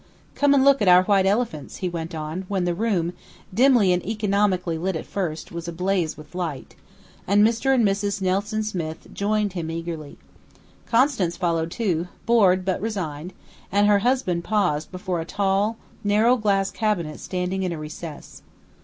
"Come and look at our white elephants," he went on, when the room, dimly and economically lit at first, was ablaze with light; and Mr. and Mrs. Nelson Smith joined him eagerly. Constance followed, too, bored but resigned; and her husband paused before a tall, narrow glass cabinet standing in a recess.